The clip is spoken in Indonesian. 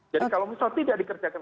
jadi kalau misalnya tidak dikerjakan